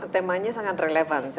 temanya sangat relevan